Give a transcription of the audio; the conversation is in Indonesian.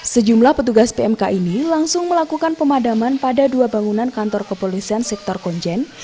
sejumlah petugas pmk ini langsung melakukan pemadaman pada dua bangunan kantor kepolisian sektor konjen